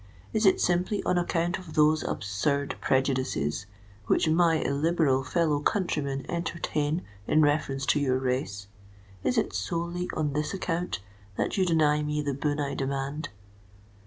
Is it simply on account of those absurd prejudices which my illiberal fellow countrymen entertain in reference to your race? is it solely on this account that you deny me the boon I demand?"